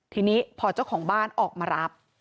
ทีนี้พอเจ้าของบ้านออกมารับ